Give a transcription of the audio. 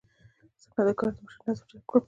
څنګه د ګارد د مشر نظر جلب کړم.